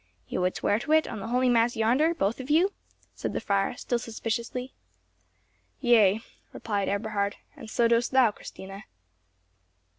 "You would swear to it, on the holy mass yonder, both of you?" said the friar, still suspiciously. "Yea," replied Eberhard, "and so dost thou, Christina."